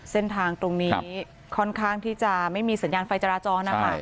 เส้นทางตรงนี้ค่อนข้างที่จะไม่มีสัญญาณไฟจราจรนะคะ